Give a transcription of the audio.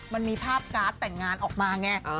มันมีภาพการ์ดแต่งงานออกมาไง